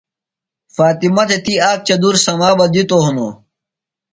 فاطمہ تھےۡ تی آک چدُور سمابہ دِتوۡ ہِنوۡ۔